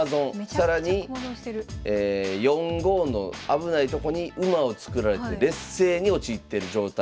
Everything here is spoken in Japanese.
更に４五の危ないとこに馬を作られて劣勢に陥ってる状態。